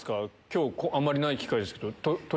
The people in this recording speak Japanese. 今日あんまりない機会ですけど。